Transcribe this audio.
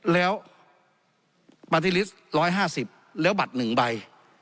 แล้วปาร์ติลิสต์ร้อยห้าสิบแล้วบัตรหนึ่งใบ